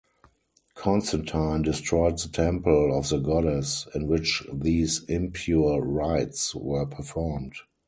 Constantine destroyed the temple of the goddess in which these impure rites were performed.